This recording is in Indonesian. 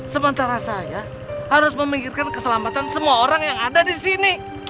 sementara saya harus memikirkan keselamatan semua orang yang ada di sini